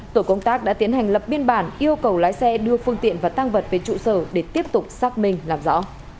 tổ công tác đã tiến hành lập biên bản yêu cầu lái xe đưa phương tiện và tăng vật về trụ sở để tiếp tục xác minh làm rõ